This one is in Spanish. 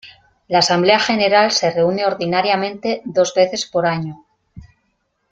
La Asamblea General se reúne ordinariamente dos veces por año.